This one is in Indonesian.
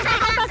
satu satu satu